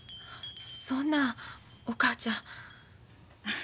そんなお母ちゃん。